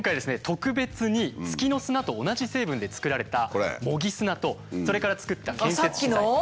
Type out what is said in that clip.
特別に月の砂と同じ成分で作られた模擬砂とそれから作った建設資材ご用意しました。